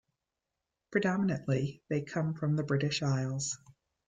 Predominantly they come from the British Isles.